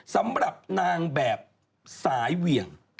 สำหรับนางแบบสายเหวี่ยง